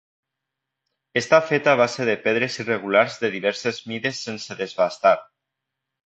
Està feta a base de pedres irregulars de diverses mides sense desbastar.